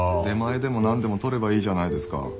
出前でも何でも取ればいいじゃないですか？